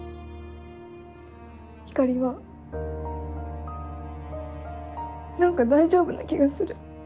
ひかりは何か大丈夫な気がする。